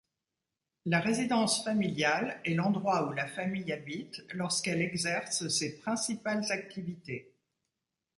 La résidence familiale est l’endroit où la famille habite lorsqu’elle exerce ses principales activités.